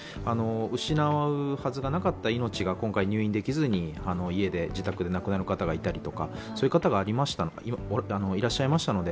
失うはずがなかった命が今回入院できずに、家で、自宅で亡くなる方がいらっしゃいましたので